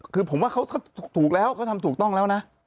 คือผมว่าเขาก็ถูกแล้วเขาทำถูกต้องแล้วนะ